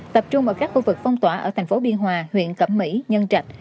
tập trung ở các khu vực phong tỏa ở tp biên hòa huyện cẩm mỹ nhân trạch